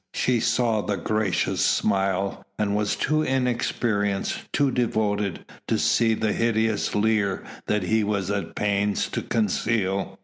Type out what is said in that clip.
She saw the gracious smile and was too inexperienced, too devoted, to see the hideous leer that he was at pains to conceal.